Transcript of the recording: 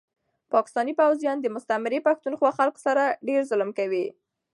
پاکستاني پوځيان دي مستعمري پښتونخوا خلکو سره ډير ظلم کوي